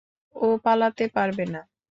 ও পালাতে পারবে না।